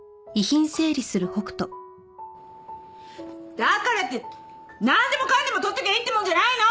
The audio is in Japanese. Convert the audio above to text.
だからってなんでもかんでも取っときゃいいってもんじゃないの！